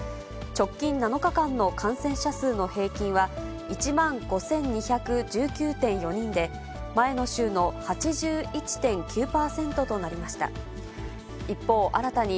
直近７日間の感染者数の平均は、１万５２１９．４人で、前の週の８１．９％となりました。